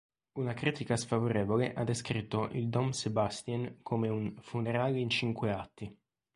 Una critica sfavorevole ha descritto il "Dom Sébastien" come "un funerale in cinque atti".